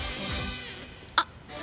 あっ！